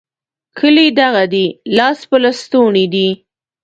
کلی دغه دی؛ لاس په لستوڼي دی.